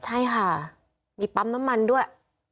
ใช่ค่ะมีปั๊มน้ำมันด้วย